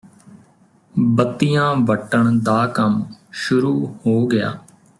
ਬੱਤੀਆਂ ਵੱਟਣ ਦਾ ਕੰਮ ਸ਼ੁਰੂ ਹੋ ਗਿਆ